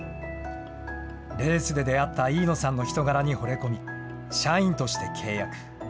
レースで出会った飯野さんの人柄にほれ込み、社員として契約。